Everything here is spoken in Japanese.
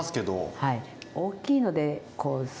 はい。